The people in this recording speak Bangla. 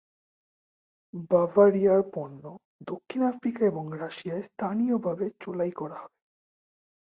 বাভারিয়ার পণ্য দক্ষিণ আফ্রিকা এবং রাশিয়ায় স্থানীয়ভাবে চোলাই করা হয়।